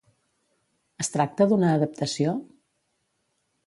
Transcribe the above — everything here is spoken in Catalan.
Es tracta d'una adaptació?